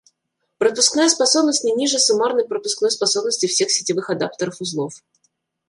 Пропускная способность не ниже суммарной пропускной способности всех сетевых адаптеров узлов